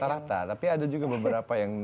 rata rata tapi ada juga beberapa yang